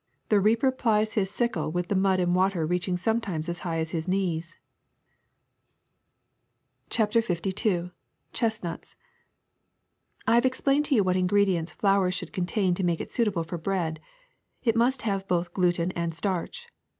The reaper plies his sickle with the mud and water reaching sometimes as high as his knees.'' 1 See "Field, Forest, and Farm." CHAPTER LII CHESTNUTS T HAVE explained to you what ingredients flour X should contain to make it suitable for bread. It must have both gluten and starch.